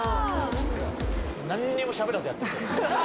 なんにもしゃべらずやってる。